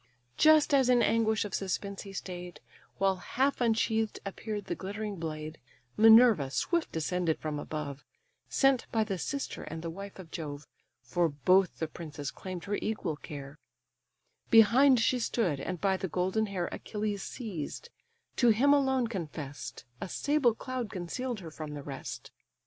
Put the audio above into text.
Just as in anguish of suspense he stay'd, While half unsheathed appear'd the glittering blade, Minerva swift descended from above, Sent by the sister and the wife of Jove (For both the princes claim'd her equal care); Behind she stood, and by the golden hair Achilles seized; to him alone confess'd; A sable cloud conceal'd her from the rest.